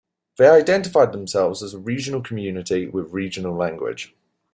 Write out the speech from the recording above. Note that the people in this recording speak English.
They identified themselves as a regional community with regional language.